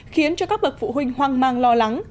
khiến cho các bậc phụ huynh hoang mang lo lắng